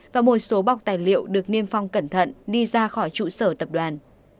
và một số bọc tài liệu được niêm phong cẩn thận đi ra khỏi trụ sở tập đoàn